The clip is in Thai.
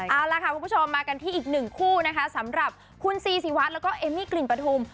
เอาล่ะค่ะคุณผู้ชมมากันที่อีกหนึ่งคู่นะคะสำหรับคุณซีซีวัดแล้วก็เอมมี่กลิ่นปฐุม